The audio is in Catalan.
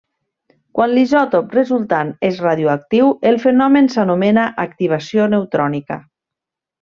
Quan l'isòtop resultant és radioactiu el fenomen s'anomena Activació Neutrònica.